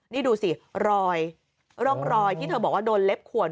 นี่ดูสิรอยร่องรอยที่เธอบอกว่าโดนเล็บขวด